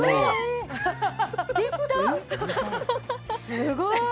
すごい！